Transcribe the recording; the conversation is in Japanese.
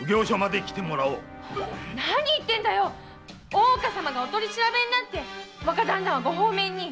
大岡様がお取り調べになって若旦那はご放免に！